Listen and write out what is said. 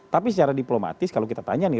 tapi secara diplomatis kalau kita tanya nih